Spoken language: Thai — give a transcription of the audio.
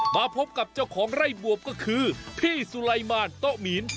มาพบกับเจ้าของไร่บวบก็คือพี่สุไลมารโต๊ะหมีน